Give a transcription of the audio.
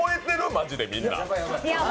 マジでみんな。